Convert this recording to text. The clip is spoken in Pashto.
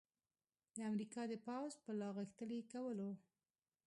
د امریکا د پوځ په لاغښتلي کولو